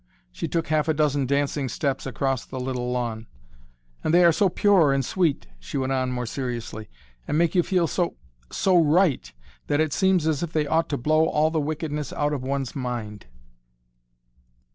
She took half a dozen dancing steps across the little lawn. "And they are so pure and sweet," she went on more seriously, "and make you feel so so right that it seems as if they ought to blow all the wickedness out of one's mind."